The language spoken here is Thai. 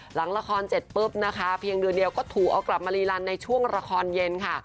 หลังละครเสร็จปุ๊บนะคะเพียงเดือนเดียวก็ถูกเอากลับมารีลันในช่วงละครเย็นค่ะ